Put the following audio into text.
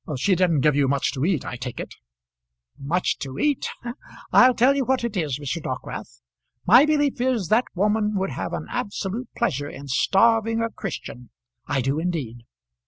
"She didn't give you much to eat, I take it." "Much to eat! I'll tell you what it is, Mr. Dockwrath; my belief is that woman would have an absolute pleasure in starving a Christian; I do indeed.